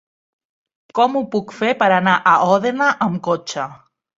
Com ho puc fer per anar a Òdena amb cotxe?